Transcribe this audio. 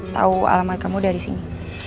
tahu alamat kamu dari sini